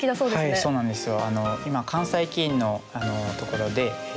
はいそうなんですよ。